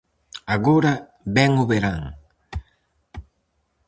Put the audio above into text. Agora vén o verán.